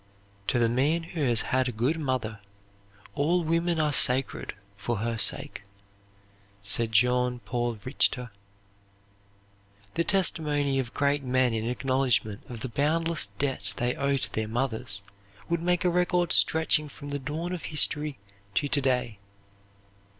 "To the man who has had a good mother, all women are sacred for her sake," said Jean Paul Richter. The testimony of great men in acknowledgment of the boundless debt they owe to their mothers would make a record stretching from the dawn of history to to day.